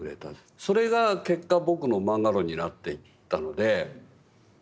それが結果僕のマンガ論になっていったので。